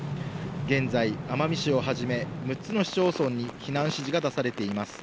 現在、奄美市をはじめ、６つの市町村に避難指示が出されています。